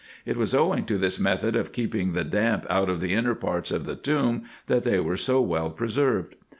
It was owing to this method of keeping the damp out of the inner parts of the tomb, that they are so well pre served.